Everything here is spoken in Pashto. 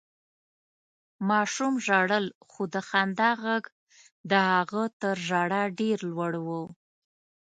ماشوم ژړل، خو د خندا غږ د هغه تر ژړا ډېر لوړ و.